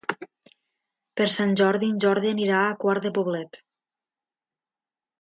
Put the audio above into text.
Per Sant Jordi en Jordi anirà a Quart de Poblet.